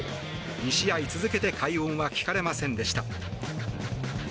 ２試合続けて快音は聞かれませんでした。